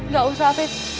gak usah afif